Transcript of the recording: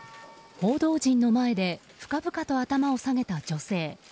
報道陣の前で深々と頭を下げた女性。